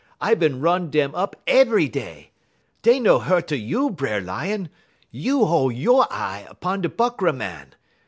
I bin run dem up ebry day. Da no hu't a you, B'er Lion. You hol' you' eye 'pon da Buckra Màn.